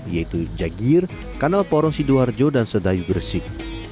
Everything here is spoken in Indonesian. yaitu jagir kanal porong sidoarjo dan sedayu gresik